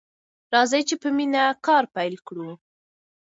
راځئ چې په مینه کار پیل کړو.